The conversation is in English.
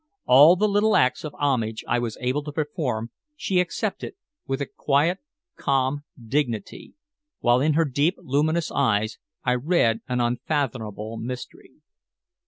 All the little acts of homage I was able to perform she accepted with a quiet, calm dignity, while in her deep luminous eyes I read an unfathomable mystery.